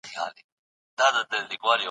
سياستپوه به نوي لاره ومومي.